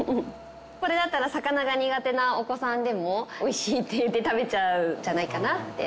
これだったら魚が苦手なお子さんでもおいしいって言って食べちゃうんじゃないかなって。